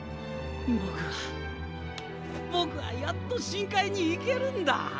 僕は僕はやっと深海に行けるんだ！